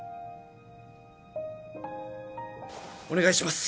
お願いします！